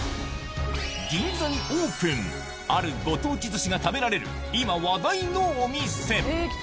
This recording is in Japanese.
銀座にオープンあるご当地寿司が食べられる今話題のお店